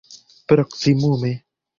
proksimume